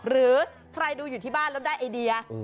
หรือใครดูอยู่ที่บ้านแล้วได้ไอเดีย